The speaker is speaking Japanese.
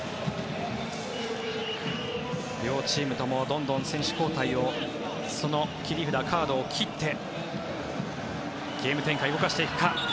両チームともどんどん選手交代をその切り札、カードを切ってゲーム展開を動かしていくか。